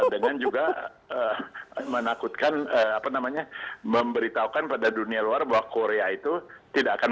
dengan juga menakutkan apa namanya memberitahukan pada dunia luar bahwa korea itu tidak akan